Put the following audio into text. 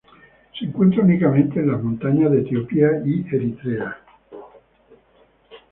Se encuentra únicamente en las montañas de Etiopía y Eritrea.